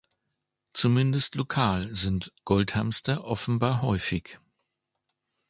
Zumindest lokal sind Goldhamster offenbar häufig.